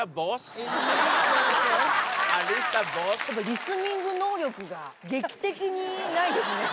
リスニング能力が劇的にないですね。